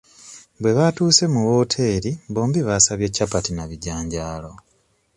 Bwe baatuuse mu wooteri bombi baasabye capati n'ebijanjaalo.